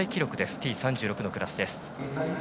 Ｔ３６のクラス。